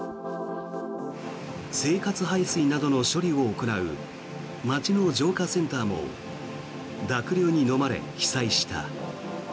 生活排水などの処理を行う町の浄化センターも濁流にのまれ、被災した。